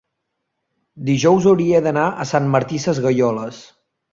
dijous hauria d'anar a Sant Martí Sesgueioles.